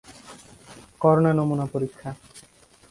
corona নমুনা পরীক্ষা